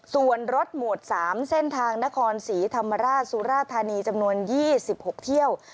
ส่วนรถหมวด๓เส้นทางนครศรีธรรมราชสุราธานีจำนวน๒๖เที่ยว